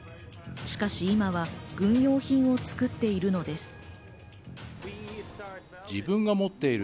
しかし今は軍用品を作っているのです。